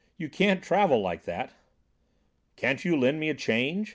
You can't travel like that." "Can't you lend me a change?"